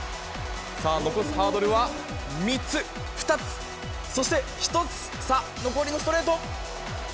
さあ、残すハードルは、３つ、２つ、そして１つ、さあ、残りのストレート。